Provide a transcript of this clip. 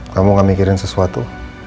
kamu gak mikirin sesuatu